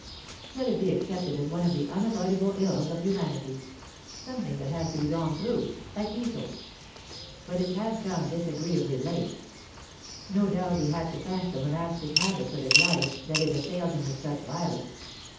Let it be accepted as one of the unavoidable ills of humanity something that has to be gone through, like measles. But it had come disagreeably late. No doubt he had to thank the monastic habits of his life that it assailed him with such violence.